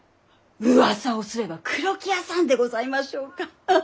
うわさをすれば黒木屋さんでございましょうかハハッ！